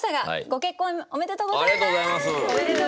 「結婚おめでとうございます。